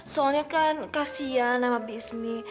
soalnya kan kasihan sama ismi